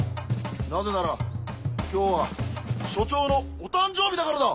なぜなら今日は署長のお誕生日だからだ！